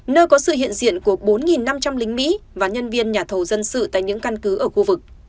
nơi có sự hiện diện của bốn năm trăm linh lính mỹ và nhân viên nhà thầu dân sự tại những căn cứ ở khu vực